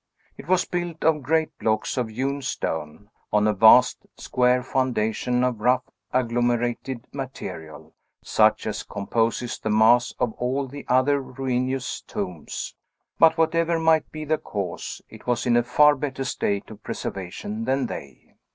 It was built of great blocks of hewn stone, on a vast, square foundation of rough, agglomerated material, such as composes the mass of all the other ruinous tombs. But whatever might be the cause, it was in a far better state of preservation than they.